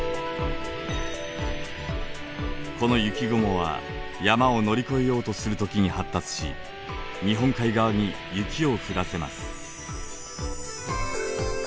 この雪雲は山を乗り越えようとする時に発達し日本海側に雪を降らせます。